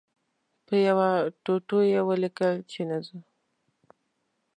په یوه ټوټو یې ولیکل چې نه ځو.